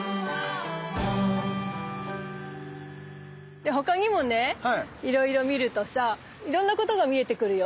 で他にもねいろいろ見るとさいろんなことが見えてくるよ。